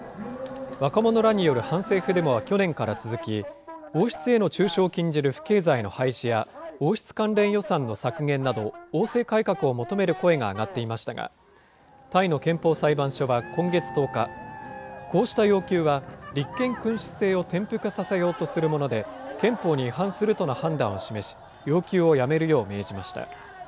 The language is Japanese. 若者らによる反政府デモは去年から続き、王室への中傷を禁じる不敬罪の廃止や、王室関連予算の削減など、王制改革を求める声が上がっていましたが、タイの憲法裁判所は今月１０日、こうした要求は、立憲君主制を転覆させようとするもので、憲法に違反するとの判断を示し、要求をやめるよう命じました。